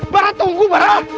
barah tunggu barah